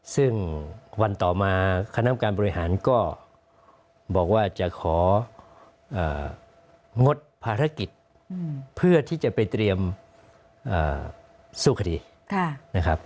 ซึ่งวันต่อมาคณะการบริหารก็บอกว่าจะของงดภารกิจเพื่อที่จะไปเตรียมสู้คดีนะครับ